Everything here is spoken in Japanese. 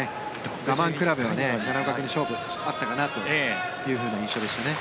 我慢比べは奈良岡君に勝負あったかなという印象ですね。